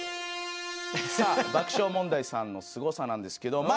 さあ爆笑問題さんのすごさなんですけどま